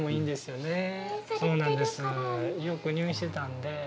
よく入院してたんで。